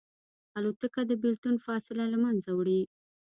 الوتکه د بېلتون فاصله له منځه وړي.